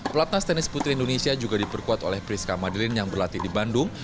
pelatnas tenis putri indonesia juga diperkuat oleh priska madirin yang berlatih di bandung